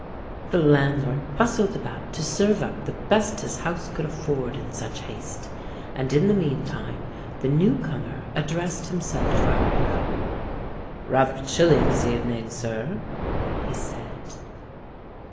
The landlord bustled about to serve up the best his house could afford in such haste; and in the meantime the new comer addressed himself to our hero. "Rather chilly this evening, sir," he said.